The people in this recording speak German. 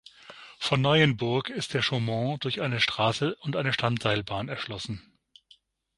Von Neuenburg ist der Chaumont durch eine Strasse und eine Standseilbahn erschlossen.